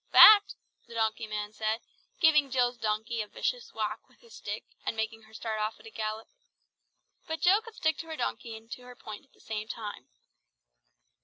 "Fact!" said the donkey man, giving Jill's donkey a vicious whack with his stick, and making her start off at a gallop. But Jill could stick to her donkey and to her point at the same time.